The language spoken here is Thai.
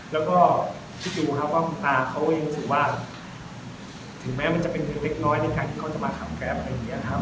แล้วก็พี่จูวว่าคนตาเขาเองสิ่งว่าถึงแม้จะเป็นเป้นเล็กง้อยในทางที่เขาจะมาขัมแกร์แบบนี้ไงครับ